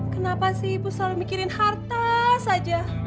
kenapa sih ibu selalu mikirin harta saja